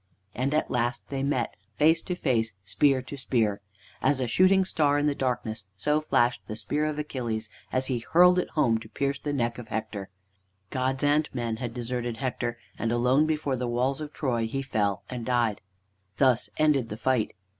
And at last they met, face to face, spear to spear. As a shooting star in the darkness so flashed the spear of Achilles as he hurled it home to pierce the neck of Hector. Gods and men had deserted Hector, and alone before the walls of Troy he fell and died. Thus ended the fight.